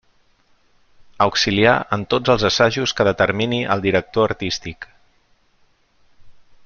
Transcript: Auxiliar en tots els assajos que determine el director artístic.